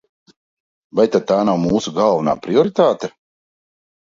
Vai tad tā nav mūsu galvenā prioritāte?